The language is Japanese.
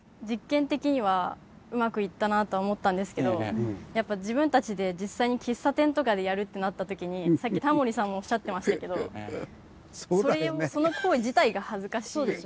実験的にはうまくいったなとは思ったんですけどやっぱり自分たちで実際に喫茶店とかでやるってなった時にさっきタモリさんもおっしゃってましたけどそれをその行為自体が恥ずかしい。